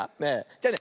じゃあね